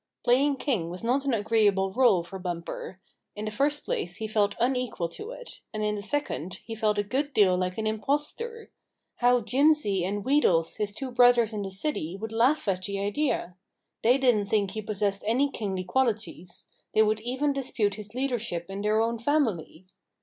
Playing king was not an agreeable role for Bumper. In the first place, he felt unequal to it; and, in the second, he felt a good deal like an impostor. How Jimsy and Wheedles, his two brothers in the city, would laugh at the idea! They didn't think he possessed any kingly qual ities. They would even dispute his leadership in their own family.